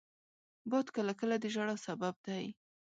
باد کله کله د ژړا سبب دی